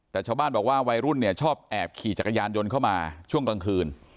แต่ชาวบ้านบอกว่าวัยรุ่นเนี่ยชอบแอบขี่จักรยานยนต์เข้ามาช่วงกลางคืน